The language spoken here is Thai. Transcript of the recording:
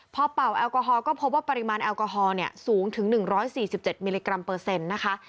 พอเป่าแอลกอฮอล์ก็พบว่าปริมาณแอลกอฮอล์เนี่ยสูงถึงหนึ่งร้อยสี่สิบเจ็ดมิลลิกรัมเปอร์เซ็นต์นะคะ